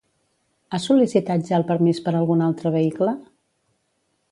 Ha sol·licitat ja el permís per algun altre vehicle?